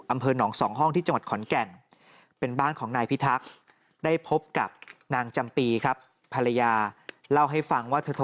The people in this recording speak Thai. อำเภอหนอง๒ห้องที่จังหวัดขอนแก่น